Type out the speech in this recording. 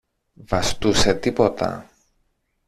Βαστούσε τίποτα;